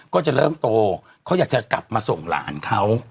ก็จะเริ่มโตเขาอยากจะกลับมาส่งหลานเขา